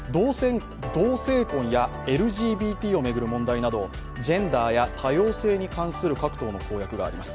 同性婚やＬＧＢＴを巡る問題など、ジェンダーや多様性に関する各党の公約があります。